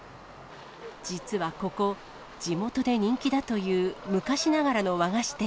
実はここ、地元で人気だという昔ながらの和菓子店。